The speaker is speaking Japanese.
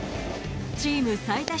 チーム最多